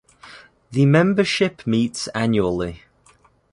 The membership meets annually.